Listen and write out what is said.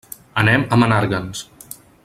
Anem a Menàrguens.